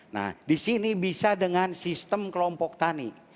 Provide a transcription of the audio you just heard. nah disini bisa dengan sistem kelompok tani